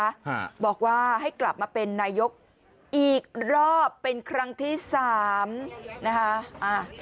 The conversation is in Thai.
ฮะบอกว่าให้กลับมาเป็นนายกอีกรอบเป็นครั้งที่สามนะคะอ่า